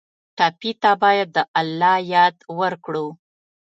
ټپي ته باید د الله یاد ورکړو.